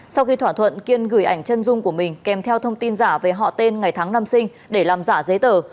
sau khi thỏa thuận kiên gửi ảnh chân dung của mình kèm theo thông tin giả về họ tên ngày tháng năm sinh để làm giả giấy tờ